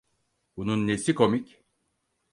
Bunun nesi komik?